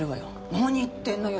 何言ってんのよ。